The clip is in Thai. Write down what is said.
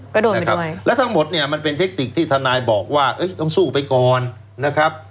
ก็โดนไปด้วยแล้วทั้งหมดเนี่ยมันเป็นเทคนิคที่ทนายบอกว่าต้องสู้ไปก่อนนะครับ